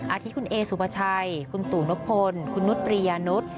ที่คุณเอสุภาชัยคุณตู่นพลคุณนุษย์ปริยานุษย์